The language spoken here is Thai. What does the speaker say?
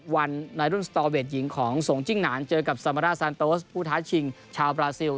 วันในรุ่นสตอเวทหญิงของสงจิ้งหนานเจอกับซามาร่าซานโตสผู้ท้าชิงชาวบราซิล